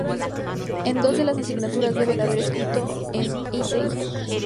En dos de las asignaturas debe haber escrito un essay.